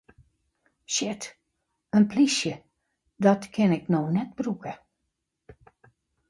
Shit, in plysje, dat kin ik no net brûke!